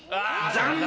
残念！